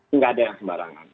ini gak ada yang sembarangan